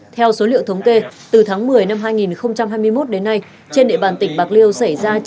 theo số liệu thống kê từ tháng một mươi năm hai nghìn hai mươi một đến nay trên địa bàn tỉnh bạc liêu xảy ra